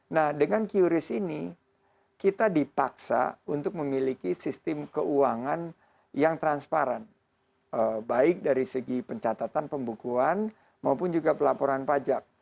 nah dengan qris ini kita dipaksa untuk memiliki sistem keuangan yang transparan baik dari segi pencatatan pembukuan maupun juga pelaporan pajak